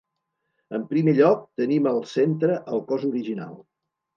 En primer lloc tenim al centre el cos original.